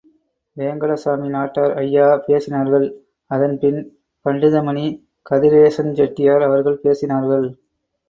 வேங்கடசாமி நாட்டார் ஐயா பேசினார்கள், அதன்பின் பண்டிதமணி கதிரேசஞ் செட்டியார் அவர்கள் பேசினார்கள்.